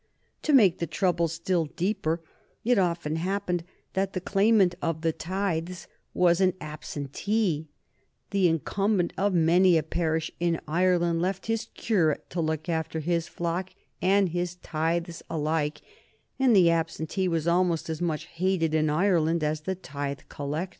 To make the troubles still deeper, it often happened that the claimant of the tithes was an absentee the incumbent of many a parish in Ireland left his curate to look after his flock and his tithes alike and the absentee was almost as much hated in Ireland as the tithe collector.